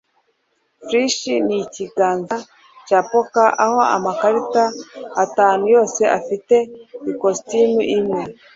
flush ni ikiganza cya poker aho amakarita atanu yose afite ikositimu imwe